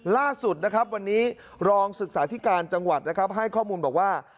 ล่าสุดนะครับวันนี้รองศึกษาธิการจังหวัดนะครับให้ข้อมูลบอกว่า